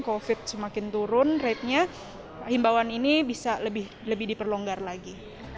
covid semakin turun ratenya himbawan ini bisa lebih lebih diperlonggar lagi